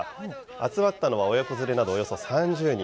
集まったのは親子連れなどおよそ３０人。